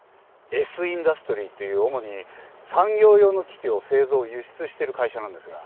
Ｓ・インダストリーっていう主に産業用の機器を製造輸出してる会社なんですが。